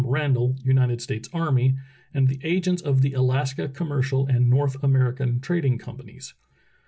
Randall, United States Army, and the agents of the Alaska Commercial and North American Trading Companies.